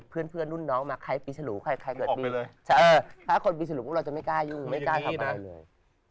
เพื่อนนุ่นน้องมาใครปีศรูใครใครเบิดออกไปเลยถ้าคนปีศรูเราจะไม่กล้ายืนไม่กล้าทำอะไรเลย